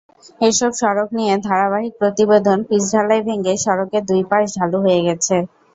এসব সড়ক নিয়ে ধারাবাহিক প্রতিবেদনপিচঢালাই ভেঙে সড়কের দুই পাশ ঢালু হয়ে গেছে।